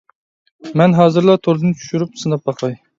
مەن ھازىرلا توردىن چۈشۈرۈپ سىناپ باقاي.